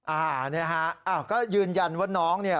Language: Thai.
อ่าเนี่ยฮะอ้าวก็ยืนยันว่าน้องเนี่ย